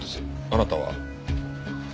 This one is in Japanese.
あなたは？